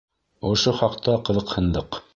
Ошо хаҡта ҡыҙыҡһындыҡ.